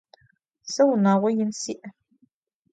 Se vunağo yin si'.